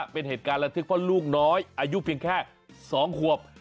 เป็นเหตุการณ์ระทึกเพราะลูกน้อยอายุเพียงแค่๒ขวบ